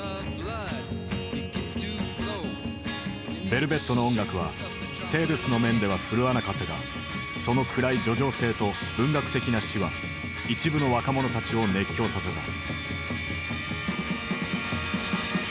ヴェルヴェットの音楽はセールスの面では振るわなかったがその暗い叙情性と文学的な詞は一部の若者たちを熱狂させた。